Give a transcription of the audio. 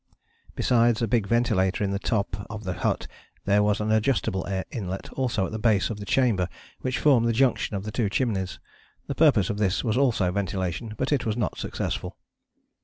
Besides a big ventilator in the top of the hut there was an adjustable air inlet also at the base of the chamber which formed the junction of the two chimneys. The purpose of this was also ventilation, but it was not successful.